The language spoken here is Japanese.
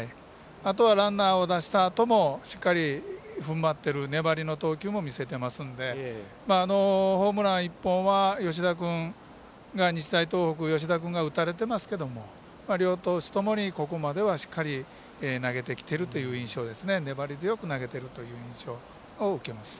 あとはランナーを出したあともしっかり、ふんばっている粘りの投球も見せているのでホームラン１本は日大東北の吉田君が打たれてますけど両投手ともにここまでは、しっかり粘り強く投げてきているという印象をを受けます。